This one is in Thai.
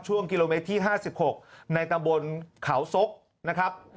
ช่วงกิโลเมตรที่๕๖ในตำบลเขาซกนะครับ